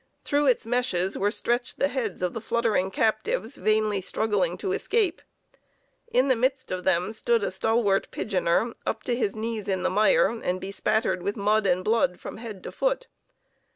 Through its meshes were stretched the heads of the fluttering captives vainly struggling to escape. In the midst of them stood a stalwart pigeoner up to his knees in the mire and bespattered with mud and blood from head to foot.